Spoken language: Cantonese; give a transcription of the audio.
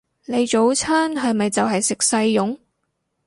你早餐係咪就係食細蓉？